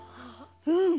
うん。